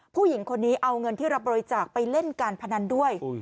ผู้หญิงคนนี้เอาเงินที่รับบริจาคไปเล่นการพนันด้วย